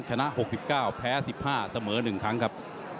ชนะ๖๙แพ้๑๕เสมอ๑ครั้งครับ